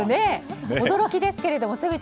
驚きですけれど。